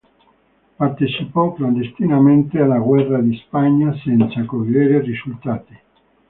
Partecipò clandestinamente alla guerra di Spagna, senza cogliere risultati.